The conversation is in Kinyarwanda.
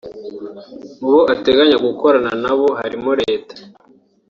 Mubo ateganya gukorana nabo harimo leta